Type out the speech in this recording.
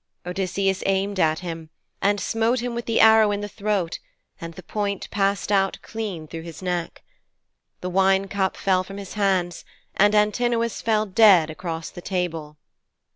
Odysseus aimed at him, and smote him with the arrow in the throat and the point passed out clean through his neck. The wine cup fell from his hands and Antinous fell dead across the table.